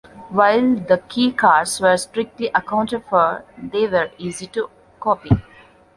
While the key cards were strictly accounted for, they were easy to copy.